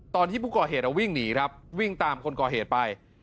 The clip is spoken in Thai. ตอนที่ผู้ก่อเหตุวิ่งหนีครับวิ่งตามคนก่อเหตุไป